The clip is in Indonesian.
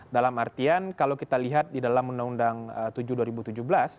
dalam artian kalau kita lihat di dalam undang undang tujuh dua ribu tujuh belas